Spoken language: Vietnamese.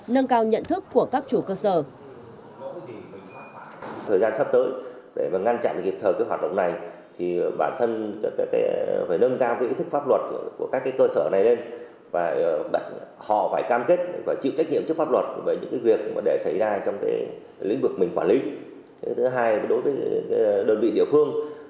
nâng cao nhận thức của các chủ cơ sở